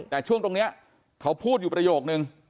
แต่ช่วงตรงนี้เขาพูดอยู่ประโยคนึง